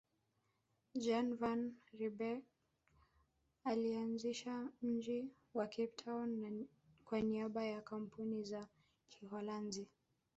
Jan van Riebeeck alianzisha mji wa Cape Town kwa niaba ya Kampuni ya Kiholanzi